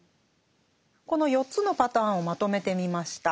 この４つのパターンをまとめてみました。